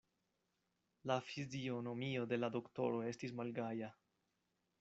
La fizionomio de la doktoro estis malgaja.